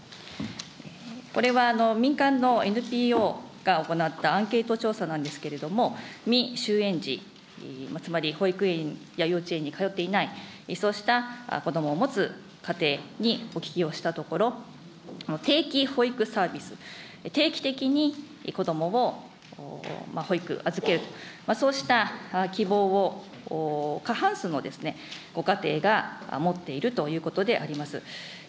これは民間のＮＰＯが行ったアンケート調査なんですけれども、未就園児、つまり保育園や幼稚園に通ってない、そうした子どもを持つ家庭にお聞きをしたところ、定期保育サービス、定期的に子どもを保育、預けると、そうした希望を過半数のご家庭が持っているということであります。